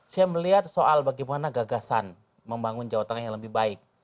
saya melihat soal bagaimana gagasan membangun jawa tengah yang lebih baik